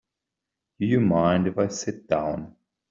Do you mind if I sit down?